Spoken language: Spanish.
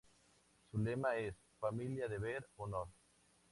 Su lema es "Familia, deber, honor".